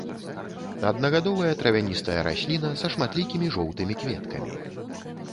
Аднагадовая травяністая расліна са шматлікімі жоўтымі кветкамі.